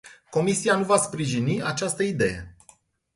Comisia nu va sprijini această idee.